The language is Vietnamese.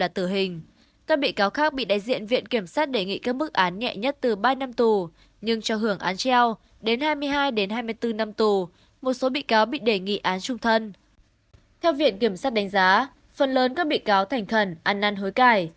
theo viện kiểm sát đánh giá phần lớn các bị cáo thành thần ăn năn hối cải